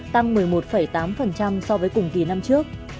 tăng một mươi một tám so với cùng kỳ năm trước